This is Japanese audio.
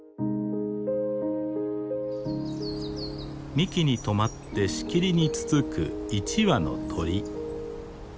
幹に止まってしきりにつつく１羽の鳥。